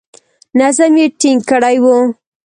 نظم یې ټینګ کړی وو.